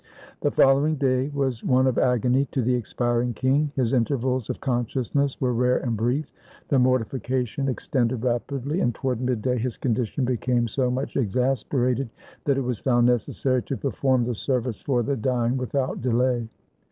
... The following day was one of agony to the expiring king. His intervals of consciousness were rare and brief. The mortification extended rapidly, and toward midday 274 THE DEATH OF LOUIS XIV his condition became so much exasperated that it was found necessary to perform the service for the dying without delay.